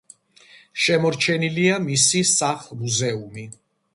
შემორჩენილია მისი სახლ-მუზეუმი.